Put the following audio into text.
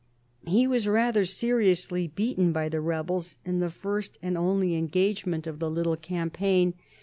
He was rather seriously beaten by the rebels in the first and only engagement of the little campaign.